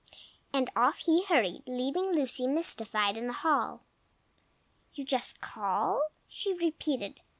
And off he hurried, leaving Lucy, mystified, in the hall. "You just call!" she repeated.